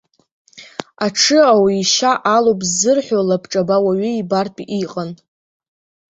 Аҽы ауаҩ ишьа алоуп ззырҳәо лабҿаба уаҩы ибартә иҟан.